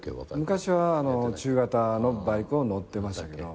昔は中型のバイクを乗ってましたけど。